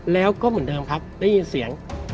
แล้วก็เหมือนเดิมครับได้ยินเสียง